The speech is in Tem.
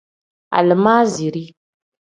Alimaaziri.